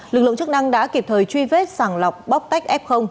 lực lượng chức năng đã kịp thời truy vết sàng lọc bóc tách f